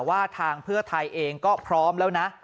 ว่าทางเพื่อไทยเองก็พร้อมแล้วนะ